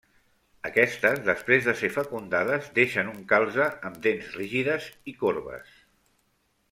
Aquestes després de ser fecundades deixen un calze amb dents rígides i corbes.